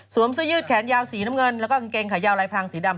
เสื้อยืดแขนยาวสีน้ำเงินแล้วก็กางเกงขายาวลายพรางสีดำ